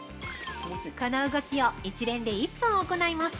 ◆この動きを一連で１分行います。